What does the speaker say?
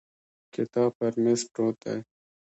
کتاب پر مېز پروت دی.